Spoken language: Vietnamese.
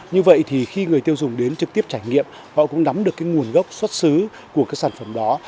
như vậy thì khi người tiêu dùng đến trực tiếp trải nghiệm họ cũng nắm được nguồn gốc xuất xứ của sản phẩm đó